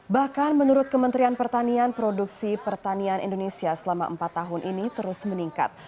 bahkan menurut kementerian pertanian produksi pertanian indonesia selama empat tahun ini terus meningkat